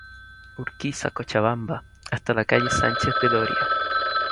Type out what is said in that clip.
Urquiza; Cochabamba, hasta la calle Sánchez de Loria.